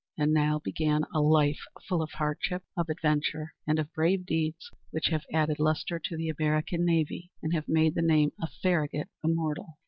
And now began a life full of hardship, of adventure, and of brave deeds, which have added lustre to the American navy, and have made the name of Farragut immortal.